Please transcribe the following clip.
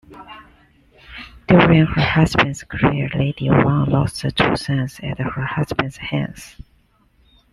During her husband's career, Lady Wang lost two sons at her husband's hands.